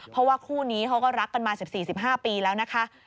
เพราะว่าคู่นี้เขาก็รักกันมา๑๔๑๕ปีแล้วนะคะ